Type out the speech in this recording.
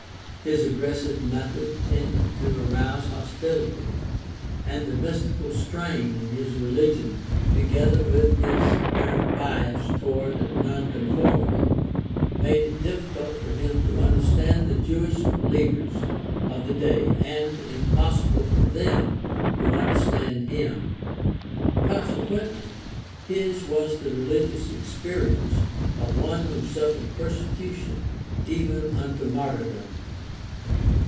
His aggressive method tended to arouse hostility, and the mystical strain in his reli gion, together with his apparent bias toward nonconformity, made it difficult for him to understand the Jewish leaders of the day and impossible for them to understand him. Conse quently his was the religious experience of one who suffered persecution even unto martyrdom.